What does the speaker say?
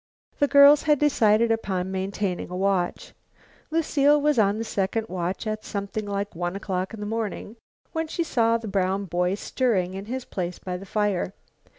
The girls had decided upon maintaining a watch. Lucile was on the second watch at something like one o'clock in the morning, when she saw the brown boy stirring in his place by the fire.